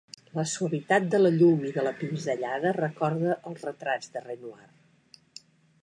La suavitat de la llum i de la pinzellada recorda els retrats de Renoir.